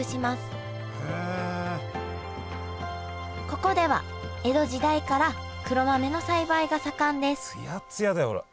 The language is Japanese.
ここでは江戸時代から黒豆の栽培が盛んですツヤツヤだよほら。